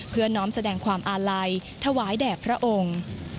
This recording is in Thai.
น้อมแสดงความอาลัยถวายแด่พระองค์